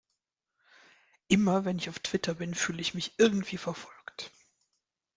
Immer, wenn ich auf Twitter bin, fühle ich mich irgendwie verfolgt.